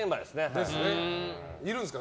いるんですか？